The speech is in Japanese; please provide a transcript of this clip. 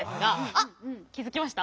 あっ気付きました？